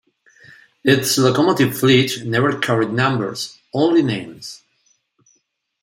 Its locomotive fleet never carried numbers, only names.